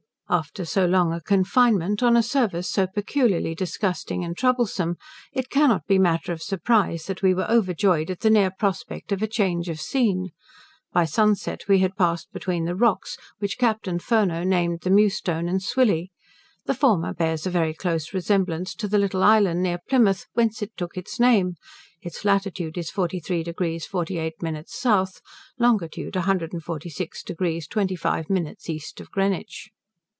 After so long a confinement, on a service so peculiarly disgusting and troublesome, it cannot be matter of surprise that we were overjoyed at the near prospect of a change of scene. By sunset we had passed between the rocks, which Captain Furneaux named the Mewstone and Swilly. The former bears a very close resemblance to the little island near Plymouth, whence it took its name: its latitude is 43 deg 48 min south, longitude 146 deg 25 min east of Greenwich.